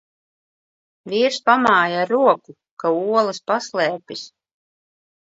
Vīrs pamāj ar roku, ka olas paslēpis.